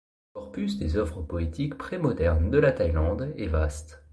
Le corpus des œuvres poétiques pré-modernes de la Thaïlande est vaste.